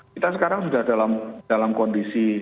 kita sekarang sudah dalam kondisi